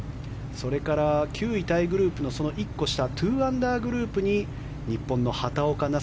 それから９位タイグループの１個下２アンダーグループに日本の畑岡奈